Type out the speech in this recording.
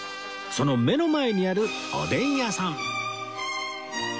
その目の前にあるおでん屋さん